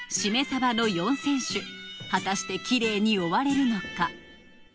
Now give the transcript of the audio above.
さばの４選手果たしてきれいに終われるのか？